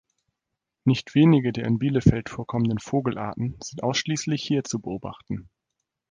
Nicht wenige der in Bielefeld vorkommenden Vogelarten sind ausschließlich hier zu beobachten.